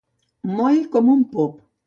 Moll com un pop.